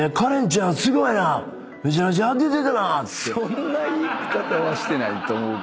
そんな言い方はしてないと思うけど。